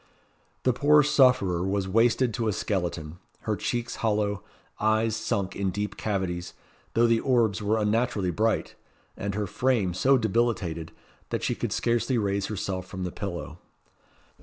The poor sufferer was wasted to a skeleton; her cheeks hollow; eyes sunk in deep cavities, though the orbs were unnaturally bright; and her frame so debilitated, that she could scarcely raise herself from the pillow.